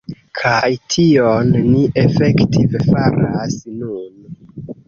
Kaj tion ni efektive faras nun.